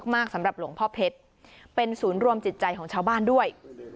สำหรับหลวงพ่อเพชรเป็นศูนย์รวมจิตใจของชาวบ้านด้วย